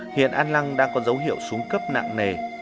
hiện an lăng đang có dấu hiệu xuống cấp nặng nề